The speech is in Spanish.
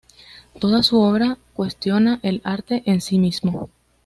Toda su obra cuestiona el arte en sí mismo.